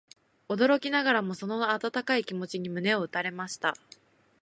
ある朝、兵十は戸を開けた瞬間に栗がこぼれ落ち、驚きながらもその温かい気持ちに胸を打たれました。